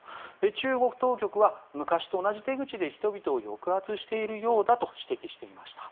中国当局は昔と同じ手口で人々を抑圧しているようだと指摘していました。